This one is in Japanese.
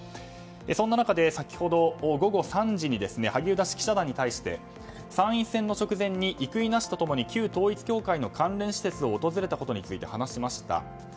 そんな中、先ほど午後３時に萩生田氏は記者団に対して生稲氏と共に旧統一教会の関連施設を訪れたことについて話しました。